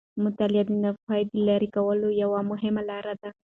مطالعه د ناپوهي د لیرې کولو یوه مهمه لاره ده.